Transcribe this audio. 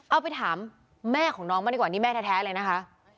เอาไปถามแม่ของน้องมาดีกว่านี่แม่แท้เลยนะคะ